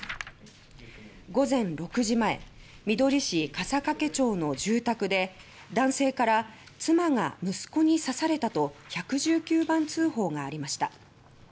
午前６時前みどり市笠懸町の住宅で男性から「妻が息子に刺された」と１１９番通報がありました。